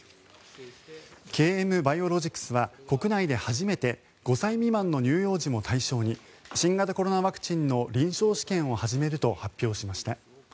ＫＭバイオロジクスは国内で初めて５歳未満の乳幼児も対象に新型コロナワクチンの臨床試験を始めると発表しました。